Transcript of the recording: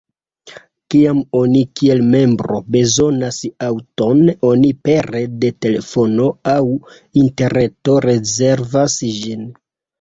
Kiam oni kiel membro bezonas aŭton, oni pere de telefono aŭ interreto rezervas ĝin.